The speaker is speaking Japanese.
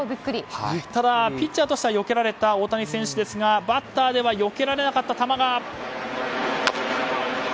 ピッチャーとしてはよけられた大谷選手でしたがバッターとしてはよけられなかった球が。